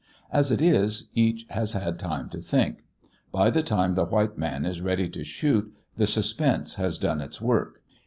As it is, each has had time to think. By the time the white man is ready to shoot, the suspense has done its work.